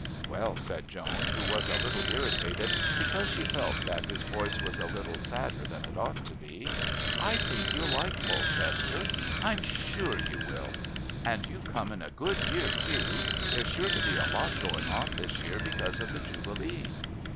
"Well," said Joan, who was a little irritated because she felt that his voice was a little sadder than it ought to be, "I think you'll like Polchester. I'm sure you will. And you've come in a good year, too. There's sure to be a lot going on this year because of the Jubilee."